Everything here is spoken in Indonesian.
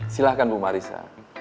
silahkan bu marissa